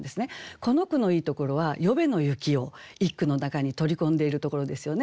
この句のいいところは「昨夜の雪」を一句の中に取り込んでいるところですよね。